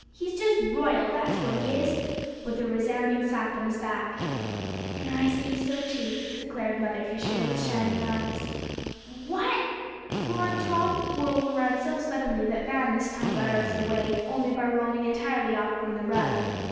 He's just royal that's what he is!" with a resounding slap on his back. "And I say so too," declared Mother Fisher, with shining eyes. "What?" roared Tom, whirling around so suddenly that Van this time got out of the way only by rolling entirely off from the rug.